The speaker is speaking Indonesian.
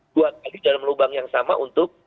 dua kali dalam lubang yang sama untuk